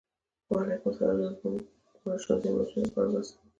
وعلیکم السلام نن موږ د ژوندیو موجوداتو په اړه بحث کوو